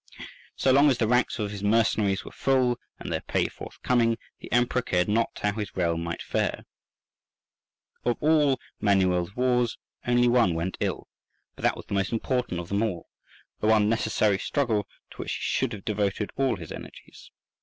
So long as the ranks of his mercenaries were full and their pay forthcoming, the Emperor cared not how his realm might fare. Of all Manuel's wars only one went ill, but that was the most important of them all, the one necessary struggle to which he should have devoted all his energies.